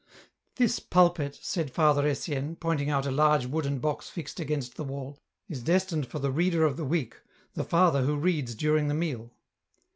" This pulpit," said Father Etienne, pointing out a large wooden box fixed against the wall, '* is destined for the reader of the week, the father who reads during the meal."